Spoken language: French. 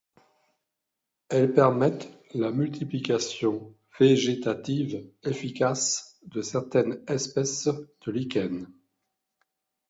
Elles permettent la multiplication végétative efficace de certaines espèces de lichens.